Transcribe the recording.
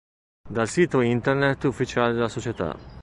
Dal sito internet ufficiale della società.